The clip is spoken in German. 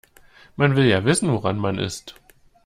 Man will ja wissen woran man ist.